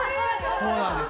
そうなんです。